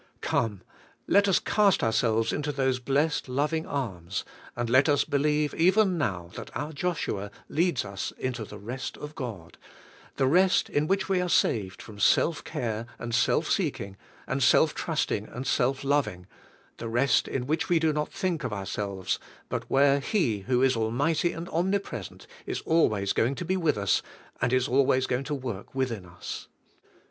Come, let us cast ourselves into those blessed, loving arms, and let us believe even now that our Joshua leads us into the rest of God, the rest in which we are saved from self care and self seek JO V IN THE II OL Y GIIOS T 145 ing and self trusting and self loving, the rest in which we do not think of ourselves, but where He who is almighty and omnipresent is always going to be with us and is always going to work within us.